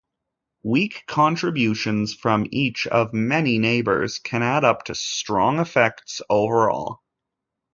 Weak contributions from each of many neighbors can add up to strong effects overall.